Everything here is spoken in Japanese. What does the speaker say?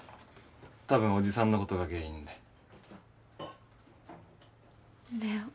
たぶんおじさんのことが原因で。ねえ？